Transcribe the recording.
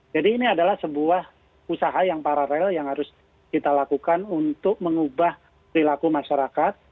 jadi ini adalah sebuah usaha yang paralel yang harus kita lakukan untuk mengubah perilaku masyarakat